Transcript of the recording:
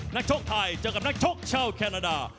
นักชกไทยเจอกับนักชกชาวแคนาดา